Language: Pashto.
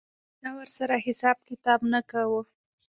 چا ورسره حساب کتاب نه کاوه.